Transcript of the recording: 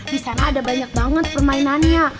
disana ada banyak banget permainannya